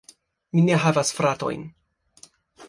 Mi ne havas fratojn.